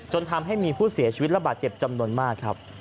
ทำให้มีผู้เสียชีวิตระบาดเจ็บจำนวนมากครับ